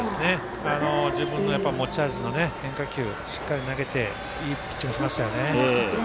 自分の持ち味の変化球、しっかり投げていいピッチングしましたよね。